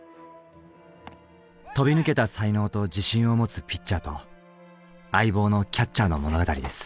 飛び抜けた才能と自信を持つピッチャーと相棒のキャッチャーの物語です。